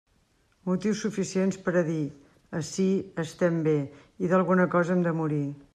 Motius suficients per a dir: ací estem bé i d'alguna cosa hem de morir.